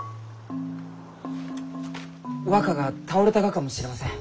若が倒れたがかもしれません。